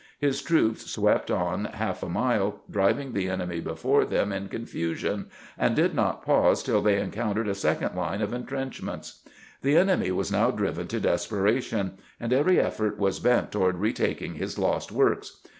His troops Swept on half a mile, driving the enemy before them in confusion, and did not pause till they encountered a second line of intrenchments. The enemy was now driven to desperation, and every effort was bent toward retaking his lost works.